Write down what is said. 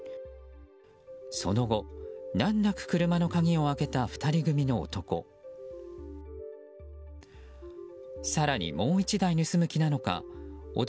その後、難なく車の鍵を開けた２人組の男。